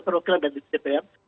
perhubungan dari dpr